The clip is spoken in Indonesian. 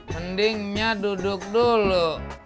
mending nya duduk dulu